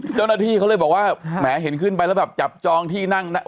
เจ้าหน้าที่เขาเลยบอกว่าแหมเห็นขึ้นไปแล้วแบบจับจองที่นั่ง